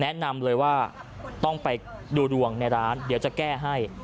แนะนำเลยว่าต้องไปดูดวงในร้านเดี๋ยวจะแก้ให้